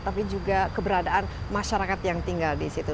tapi juga keberadaan masyarakat yang tinggal di situ